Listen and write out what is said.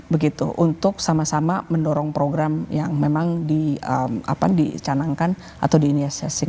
begitu untuk sama sama mendorong program yang memang dicanangkan atau diinisiasikan